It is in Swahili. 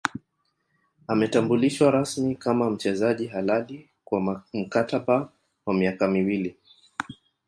Ametambulishwa rasmi kama mchezaji halali kwa mkataba wa miaka miwili